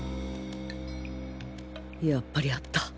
やっぱりあった